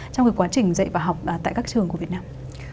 trong quá trình dạy và học tại các trường của việt nam